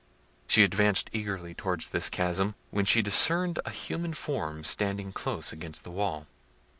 She advanced eagerly towards this chasm, when she discerned a human form standing close against the wall.